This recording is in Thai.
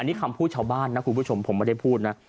นี่คำพูดชาวบ้านนะคุณผู้ชมผมไม่ได้พูดนะ